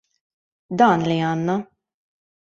Dan li għandna!